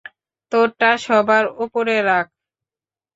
তোরটা সবার ওপরে রাখ।